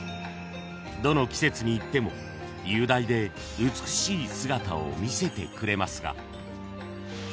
［どの季節に行っても雄大で美しい姿を見せてくれますが実は］